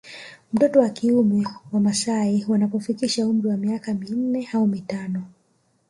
Mtoto wa kiume wa maasai anapofikisha umri wa miaka minne au mitano